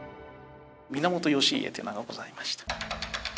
源義家という名がございました。